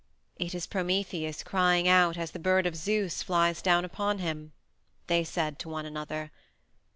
"It is Prometheus crying out as the bird of Zeus flies down upon him," they said to one another.